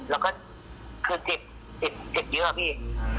แล้วก็คือเจ็บเจ็บเยอะครับพี่